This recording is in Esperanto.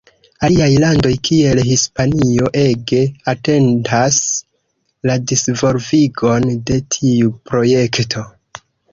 Aliaj landoj kiel Hispanio ege atentas la disvolvigon de tiu projekto.